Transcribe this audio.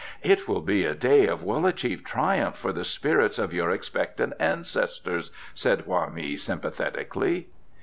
"It will be a day of well achieved triumph for the spirits of your expectant ancestors," said Hoa mi sympathetically.